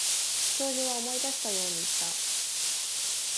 教授は思い出したように言った。